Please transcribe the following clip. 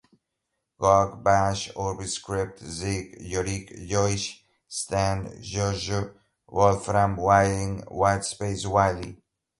gawk, bash, urbiscript, zig, yorick, yoix, xtend, xojo, wolfram, wiring, whitespace, whiley